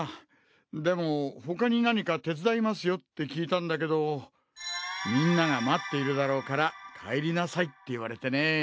でもほかに何か手伝いますよって聞いたんだけどみんなが待っているだろうから帰りなさいって言われてね。